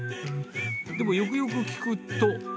でもよくよく聞くと。